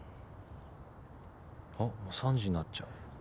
あっ３時になっちゃう。